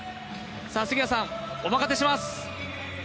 さあ、杉谷さん、お任せします！